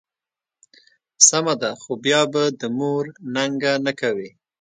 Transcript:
سمه ده، خو بیا به د مور ننګه نه کوې.